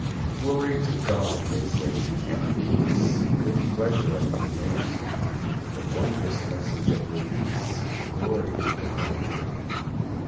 "Glory to God," they sang; "and peace, Good pleasure among men." The wondrous message of release! Glory to God again!